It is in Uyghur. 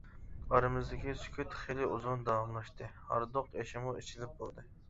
ئارىمىزدىكى سۈكۈت خېلى ئۇزۇن داۋاملاشتى، ھاردۇق ئېشىمۇ ئىچىلىپ بولدى.